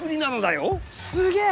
すげえ！